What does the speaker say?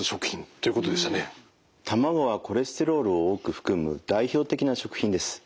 卵はコレステロールを多く含む代表的な食品です。